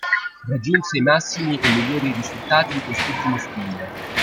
Raggiunge i massimi e migliori risultati in quest'ultimo stile.